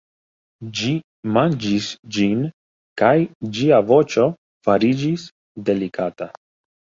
Ĝi manĝis ĝin kaj ĝia voĉo fariĝis delikata.